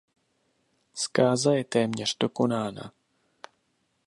Zkáza je téměř dokonána.